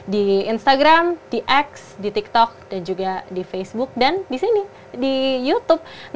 di instagram di x di tiktok dan juga di facebook dan di sini di youtube